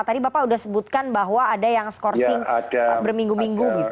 tadi bapak sudah sebutkan bahwa ada yang scoursing berminggu minggu